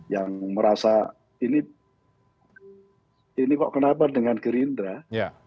yang merasa ini kok kenapa dengan gerindra